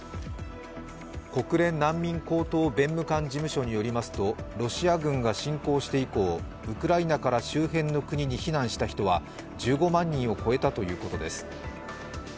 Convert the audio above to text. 国連難民高等弁務官事務所によりますと、ロシア軍が侵攻して以降、ウクライナから周辺の国に避難した人は１５万人を超えたということです。